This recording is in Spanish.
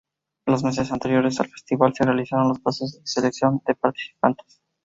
Los meses anteriores al festival se realizaron los procesos de selección de participantes.